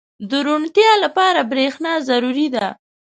• د روڼتیا لپاره برېښنا ضروري ده.